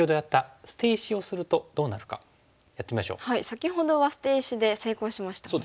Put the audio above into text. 先ほどは捨て石で成功しましたもんね。